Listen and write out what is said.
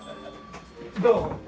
どう？